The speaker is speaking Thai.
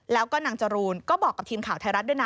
แล้วก็นางจรูนก็บอกกับทีมข่าวไทยรัฐด้วยนะ